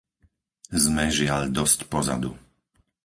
Sme, žiaľ, dosť pozadu.